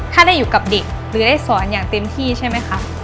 ถ้าได้อยู่กับเด็กหรือได้สอนอย่างเต็มที่ใช่ไหมคะ